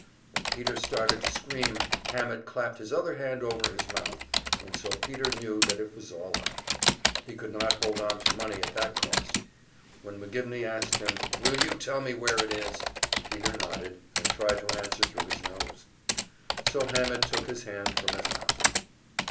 When Peter started to scream, Hammett clapped his other hand over his mouth, and so Peter knew that it was all up. He could not hold on to money at that cost. When McGivney asked him, "Will you tell me where it is?" Peter nodded, and tried to answer thru his nose. So Hammett took his hand from his mouth.